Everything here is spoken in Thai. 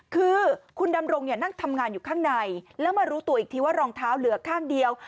คือคุณดำรงเนี่ยนั่งทำงานอยู่ข้างในแล้วมารู้ตัวอีกทีว่ารองเท้าเหลือข้างเดียว